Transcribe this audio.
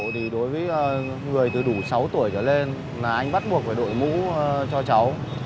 thì đối với người từ đủ sáu tuổi trở lên là anh bắt buộc phải đội mũ cho cháu